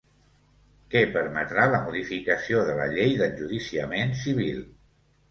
Què permetrà la modificació de la Llei d'enjudiciament civil?